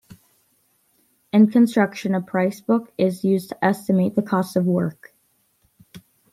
In construction a price book is used to estimate the cost of work.